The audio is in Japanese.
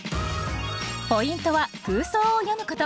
ポイントは空想を詠むこと。